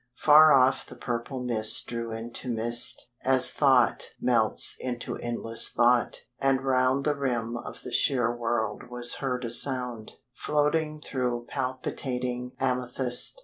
Far off the purple mist drew into mist, As thought melts into endless thought, and round The rim of the sheer world was heard a sound, Floating through palpitating amethyst.